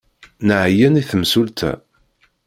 Nɛeyyen i temsulta.